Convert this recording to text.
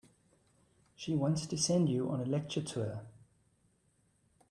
She wants to send you on a lecture tour.